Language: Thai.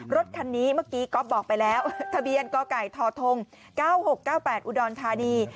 รถคันนี้เมื่อกี้ก๊อฟบอกไปแล้วทะเบียนกไก่ทท๙๖๙๘อุดรธานี